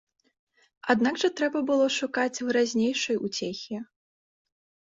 Аднак жа трэба было шукаць выразнейшай уцехі.